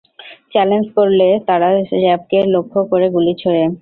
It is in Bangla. চ্যালেঞ্জ করলে তারা র্যাবকে লক্ষ্য করে গুলি ছোড়ে।